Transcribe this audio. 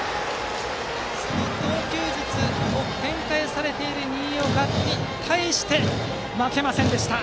その投球術が展開されている新岡に対して負けませんでした。